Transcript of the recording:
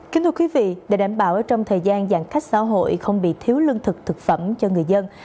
kính thưa quý vị để đảm bảo trong thời gian giãn cách xã hội không bị thiếu lương thực thực phẩm cho người dân